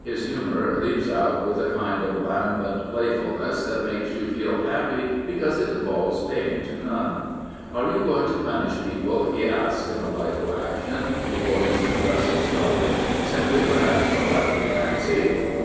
His humour leaps out with a kind of lambent playful ness that makes you feel happy because it involves pain to none. "Are you going to punish people," he asked in a libel action before Mr. Justice Darling, "simply for having a lively fancy?"